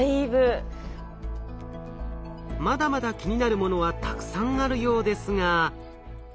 まだまだ気になるものはたくさんあるようですが。